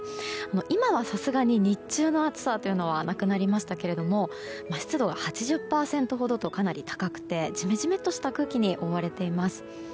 今はさすがに、日中の暑さというのはなくなりましたが湿度が８０％ほどとかなり高くてジメジメとした空気に覆われています。